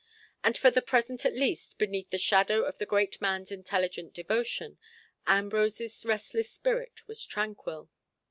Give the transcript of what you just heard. And for the present at least beneath the shadow of the great man's intelligent devotion, Ambrose's restless spirit was tranquil.